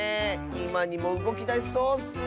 いまにもうごきだしそうッス。